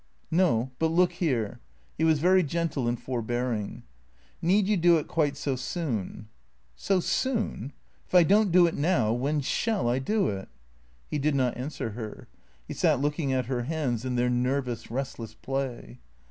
"No. But look here " He was very gentle and for bearing. " Need you do it quite so soon ?"" So soon? If I don't do it now, when shall I do it? " He did not answer her. He sat looking at her hands in their nervous, restless play.